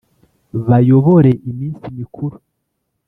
bayobore iminsi mikuru